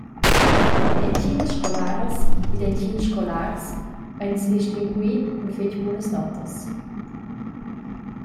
Entginas scolaras ed entgins scolars ein sedistingui cun fetg bunas notas.